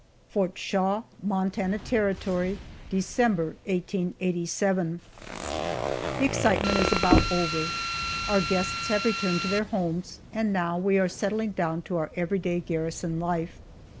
FORT SHAW, MONTANA TERRITORY, December, 1887. THE excitement is about over. Our guests have returned to their homes, and now we are settling down to our everyday garrison life.